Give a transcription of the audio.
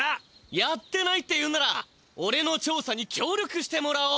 やってないって言うならおれの調さにきょう力してもらおう。